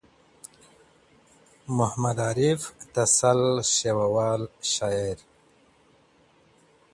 ـ محمد عارف تسل ښیوه وال شاعر.